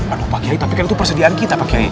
aduh pak kiai tapi kan itu persediaan kita pak kiai